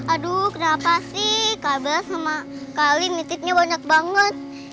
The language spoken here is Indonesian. aduh kenapa sih kabar sama kali nitipnya banyak banget